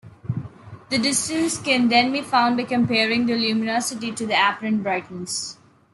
The distance can then be found by comparing the luminosity to the apparent brightness.